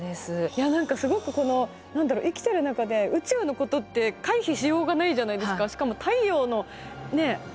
いや何かすごくこの何だろう生きてる中で宇宙のことって回避しようがないじゃないですか。